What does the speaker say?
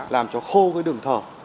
làm cho khô cái đường thở